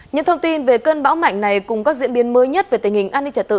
những thông tin về cơn bão mạnh này cùng các diễn biến mới nhất về tình hình an ninh trật tự